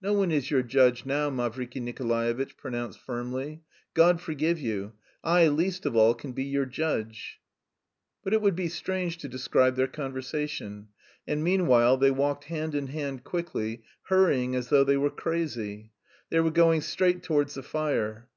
"No one is your judge now," Mavriky Nikolaevitch pronounced firmly. "God forgive you. I least of all can be your judge." But it would be strange to describe their conversation. And meanwhile they walked hand in hand quickly, hurrying as though they were crazy. They were going straight towards the fire.